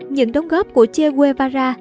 những đồng góp của che guevara